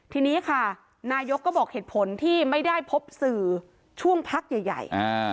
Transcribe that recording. ทีนี้ค่ะนายกก็บอกเหตุผลที่ไม่ได้พบสื่อช่วงพักใหญ่